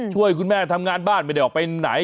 ช่วยคุณแม่ทำงานบ้านไม่ได้ออกไปไหน